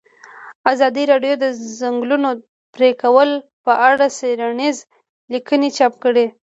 ازادي راډیو د د ځنګلونو پرېکول په اړه څېړنیزې لیکنې چاپ کړي.